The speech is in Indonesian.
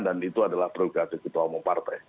dan itu adalah perlukan dari ketua umum partai